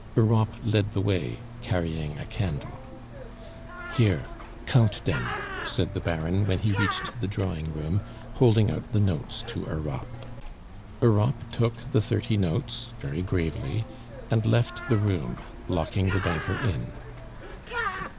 Europe led the way, carrying a candle. "Here count dem!" said the Baron when he reached the drawing room, holding out the notes to Europe. Europe took the thirty notes very gravely and left the room, locking the banker in.